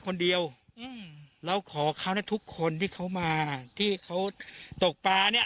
คนเดียวอืมแล้วขอเขานะทุกคนที่เขามาที่เขาตกปลาเนี้ย